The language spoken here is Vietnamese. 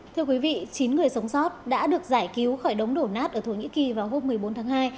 thưa quý vị chín người sống sót đã được giải cứu khỏi đống đổ nát ở thổ nhĩ kỳ vào hôm một mươi bốn tháng hai